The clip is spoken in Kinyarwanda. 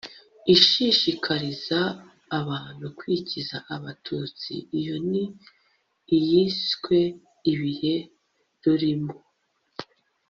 ishishikariza abantu kwikiza abatutsi. iyo ni iyiswe 'ibihe rurimo